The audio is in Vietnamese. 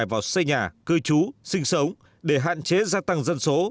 họ sẽ phải vào xây nhà cư trú sinh sống để hạn chế gia tăng dân số